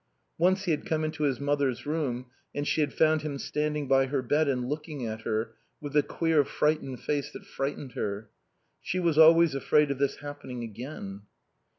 Once he had come into his mother's room and she had found him standing by her bed and looking at her with the queer frightened face that frightened her. She was always afraid of this happening again.